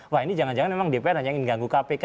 wah ini jangan jangan memang dpr hanya ingin ganggu kpk